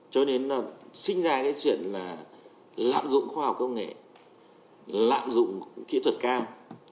cho nên sinh ra chuyện lạm dụng khoa học công nghệ lạm dụng kỹ thuật cao